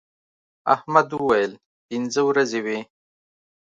احمد وويل: پینځه ورځې وې.